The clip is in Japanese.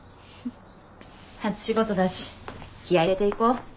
初仕事だし気合い入れていこ。